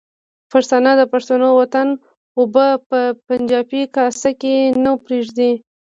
پښتانه د پښتون وطن اوبه په پنجابي کاسه کې نه پرېږدي.